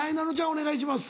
お願いします。